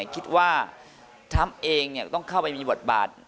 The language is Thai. คิดว่าทรัมป์เองต้องเข้าไปมีบทบาท